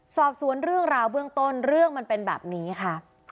สอบสวนเรื่องราวเบื้องต้นเรื่องมันเป็นแบบนี้ค่ะ